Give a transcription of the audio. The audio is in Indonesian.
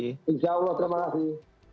insya allah terima kasih